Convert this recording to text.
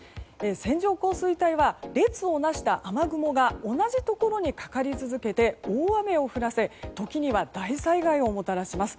線状降水帯は列をなした雨雲が同じところにかかり続けて大雨を降らせ時には大災害をもたらします。